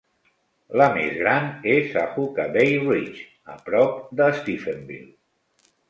La més gran és a Huckabay Ridge, a prop de Stephenville.